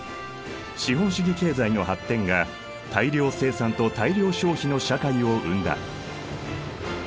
資本主義経済の発展が大量生産と大量消費の社会を生んだ。